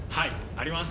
あります。